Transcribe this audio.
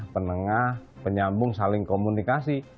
penengah penyambung saling komunikasi